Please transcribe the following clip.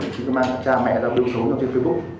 chỉ có mang cha mẹ ra bước xấu trong trên facebook